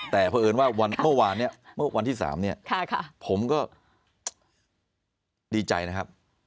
แต่พอเอิญว่าเมื่อวานที่๓ผมก็ดีใจนะครับ